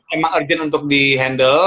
emang urgent untuk di handle